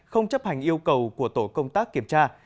không chấp hành yêu cầu của tổ công tác kiểm tra